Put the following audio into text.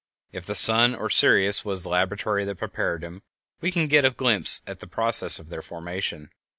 If the sun or Sirius was the laboratory that prepared them, we can get a glimpse at the process of their formation.